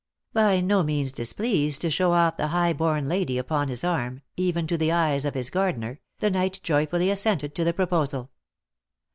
By no means displeased to show off the high born lady upon his arm, even to the eyes of his gardener, the knight joyfully assented to the proposal.